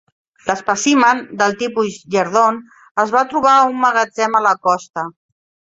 L'espècimen del tipus jerdon es va trobar a un magatzem a la costa.